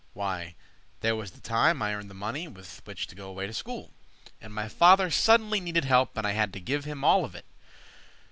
Why, there was the time I earned the money With which to go away to school, And my father suddenly needed help And I had to give him all of it.